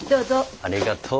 ありがとう。